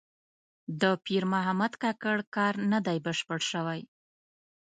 د پیر محمد کاکړ کار نه دی بشپړ شوی.